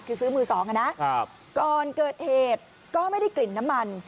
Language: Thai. คือซื้อมือสองอ่ะนะครับก่อนเกิดเหตุก็ไม่ได้กลิ่นน้ำมัน